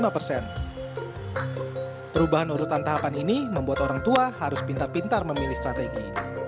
perubahan urutan tahapan ini membuat orang tua harus pintar pintar memilih strategi